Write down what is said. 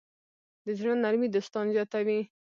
د زړۀ نرمي دوستان زیاتوي.